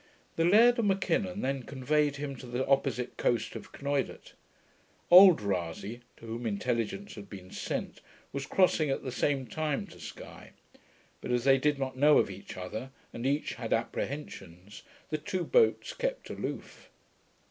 The Laird of M'Kinnon then conveyed him to the opposite coast of Knoidart. Old Rasay, to whom intelligence had been sent, was crossing at the same time to Sky; but as they did not know of each other, and each had apprehensions, the two boats kept aloof.